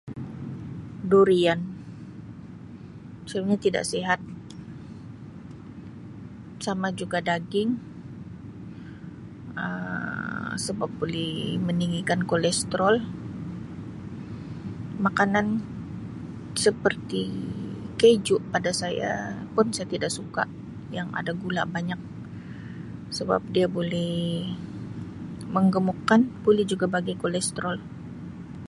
Durian. Sebenarnya tida sihat, sama juga daging Um sebab boleh meninggikan kolestrol, makanan seperti keju pada saya pun saya tida suka yang ada gula banyak sebab dia bulih menggemukkan boleh juga bagi kolestrol.